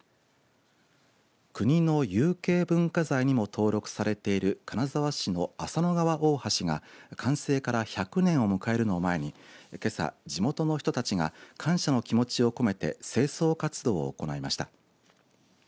国の有形文化財にも登録されている金沢市の浅野川大橋が完成から１００年を迎えるのを前にけさ、地元の人たちが感謝の気持ちを込めて清掃活動を行いました。